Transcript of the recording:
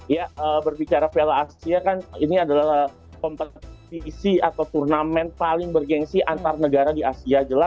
ya berbicara piala asia kan ini adalah kompetisi atau turnamen paling bergensi antar negara di asia